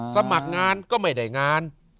สมัครงานก็ไม่ได้งาน